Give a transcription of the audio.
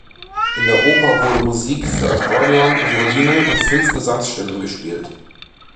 In der Oper wurde Musik für Akkordeon, Violine und fünf Gesangsstimmen gespielt.